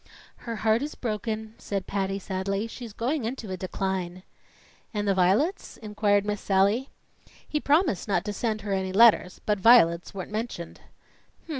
"Her heart is broken," said Patty sadly. "She's going into a decline." "And the violets?" inquired Miss Sallie. "He promised not to send her any letters, but violets weren't mentioned."